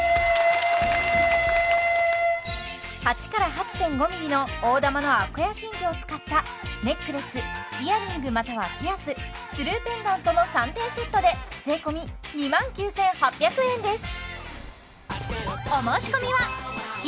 ８から８．５ｍｍの大珠のあこや真珠を使ったネックレスイヤリングまたはピアススルーペンダントの３点セットで税込２万９８００円です